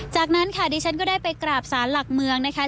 จากนั้นค่ะดิฉันก็ได้ไปกราบสารหลักเมืองนะคะ